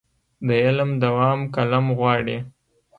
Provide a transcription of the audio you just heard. د علم دوام قلم غواړي.